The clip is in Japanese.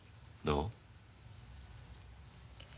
どう？